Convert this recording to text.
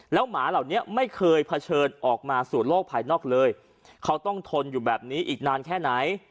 หมาเหล่านี้ไม่เคยเผชิญออกมาสู่โลกภายนอกเลยเขาต้องทนอยู่แบบนี้อีกนานแค่ไหน